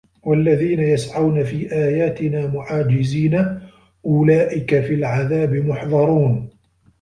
وَالَّذينَ يَسعَونَ في آياتِنا مُعاجِزينَ أُولئِكَ فِي العَذابِ مُحضَرونَ